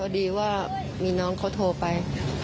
ดีว่ามีน้องเขาโทรไป